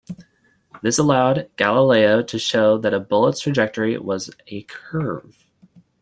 This allowed Galileo to show that a bullet's trajectory was a curve.